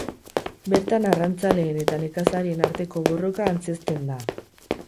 Bertan arrantzaleen eta nekazarien arteko borroka antzezten da.